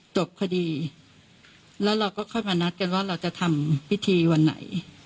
จบคดีแล้วเราก็ค่อยมานัดกันว่าเราจะทำพิธีวันไหน